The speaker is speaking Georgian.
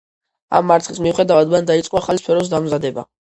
ამ მარცხის მიუხედავად მან დაიწყო ახალი სფეროს დამზადება.